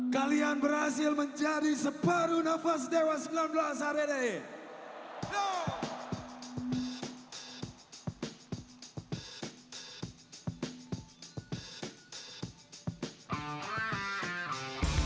kalian berhasil menjadi sebaru nafas dewa sembilan belas hari ini